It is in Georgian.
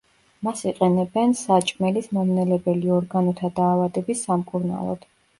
მას იყენებენ საჭმელის მომნელებელი ორგანოთა დაავადების სამკურნალოდ.